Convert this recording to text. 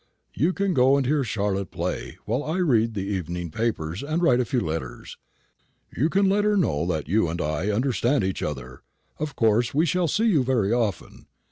You can go and hear Charlotte play, while I read the evening papers and write a few letters. You can let her know that you and I understand each other. Of course we shall see you very often.